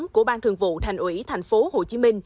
của ban thường vụ thành ủy tp hcm